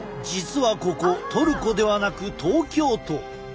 実はここトルコではなく東京都。